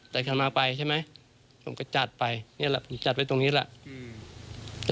แต่แกมาไปใช่ไหมผมก็จัดไปนี่แหละผมจัดไว้ตรงนี้แหละ